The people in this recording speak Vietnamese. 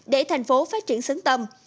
để thành phố phát triển xứng tầm